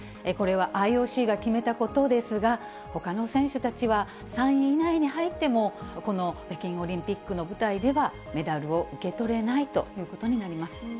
これはＩＯＣが決めたことですが、ほかの選手たちは３位以内に入っても、この北京オリンピックの舞台では、メダルを受け取れないということになります。